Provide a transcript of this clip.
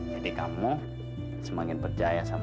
jadi kamu semakin percaya sama aku